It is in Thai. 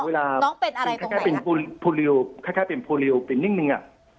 น้องเป็นอะไรตรงไหนคล้ายเป็นโพลีโอเป็นนิ่งนึง